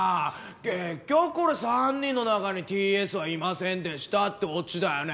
結局これ３人の中にＴ・Ｓはいませんでしたってオチだよね？